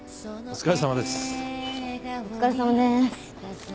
お疲れさまです。